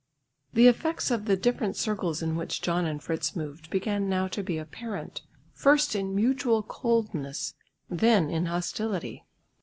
The effects of the different circles in which John and Fritz moved began now to be apparent, first in mutual coldness, then in hostility.